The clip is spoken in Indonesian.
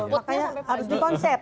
makanya harus di konsep